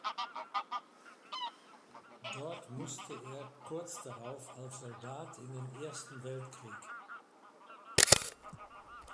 Dort musste er kurz darauf als Soldat in den Ersten Weltkrieg.